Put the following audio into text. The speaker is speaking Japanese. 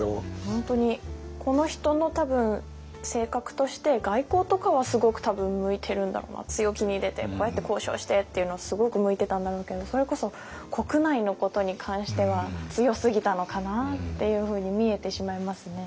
本当にこの人の多分性格として外交とかはすごく多分向いてるんだろうな強気に出てこうやって交渉してっていうのすごく向いてたんだろうけどそれこそ国内のことに関しては強すぎたのかなっていうふうに見えてしまいますね。